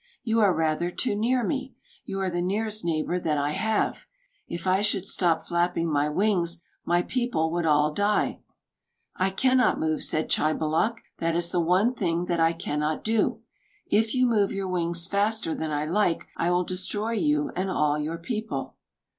You are rather too near me. You are the nearest neighbor that I have. If I should stop flapping my wings, my people would all die." "I cannot move," said Chībaloch; "that is the one thing that I cannot do. If you move your wings faster than I like, I will destroy you and all your people."